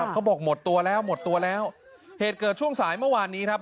เขาบอกหมดตัวแล้วหมดตัวแล้วเหตุเกิดช่วงสายเมื่อวานนี้ครับ